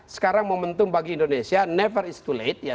sekarang momentum bagi indonesia never is too late